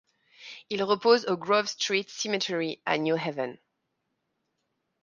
Il repose au Grove Street Cemetery à New Haven.